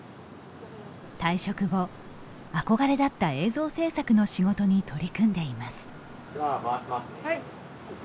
退職後、憧れだった映像制作の仕事に取り組んでいます。